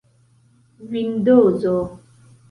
vindozo